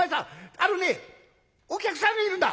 あのねお客さんがいるんだ」。